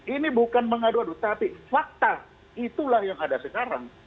ini bukan mengadu adu tapi fakta itulah yang ada sekarang